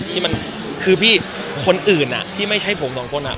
ที่มันคือพี่คนอื่นที่ไม่ใช่ผมสองคน